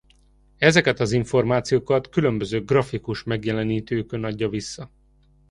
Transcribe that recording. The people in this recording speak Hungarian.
Ezeket az információkat különböző grafikus megjelenítőkön adja vissza.